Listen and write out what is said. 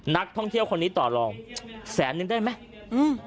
นักท่องเที่ยวคนนี้ต่อลองแสนนึงได้ไหมอืม